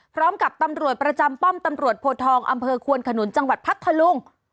พร้อมกับตำรวจประจำป้อมตำรวจโพทองอำเภอควนขนุนจังหวัดพัทธลุง